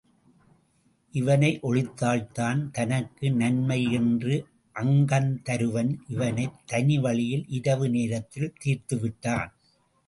இவனை ஒழித்தால்தான் தனக்கு நன்மை என்று அக்கந்தருவன் இவனைத் தனி வழியில் இரவு நேரத்தில் தீர்த்துவிட்டான்.